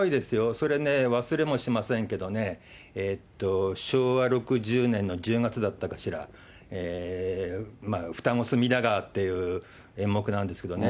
それね、忘れもしませんけどね、昭和６０年の１０月だったかしら、ふたごすみだがわっていう演目なんですけどね。